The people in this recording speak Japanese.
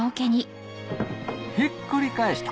ひっくり返した！